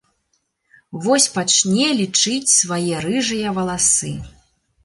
Вось пачне лічыць свае рыжыя валасы.